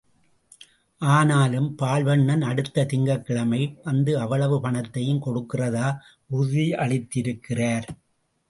ஆனாலும் பால்வண்ணன் அடுத்த திங்கட்கிழமை வந்து அவ்வளவு பணத்தையும் கொடுக்கிறதா உறுதியளித்திருக்கார்.